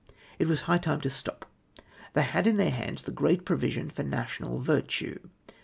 It was high time to stop. They had in their hands the great provision for national virtue.